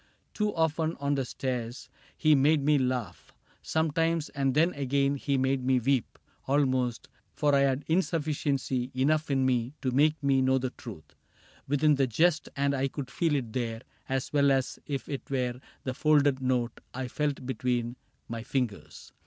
Too often on the stairs. He made me laugh Sometimes, and then again he made me weep Almost ; for I had insufficiency Enough in me to make me know the truth Within the jest, and I could feel it there As well as if it were the folded note I felt between my fingers.